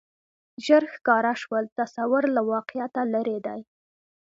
ژر ښکاره شول تصور له واقعیته لرې دی